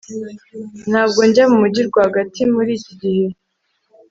Ntabwo njya mu mujyi rwagati muri iki gihe